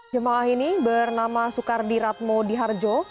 jemaah ini bernama soekardi ratmo diharjo